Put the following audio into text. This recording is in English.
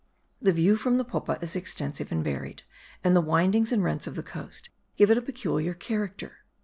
The view from the Popa is extensive and varied, and the windings and rents of the coast give it a peculiar character.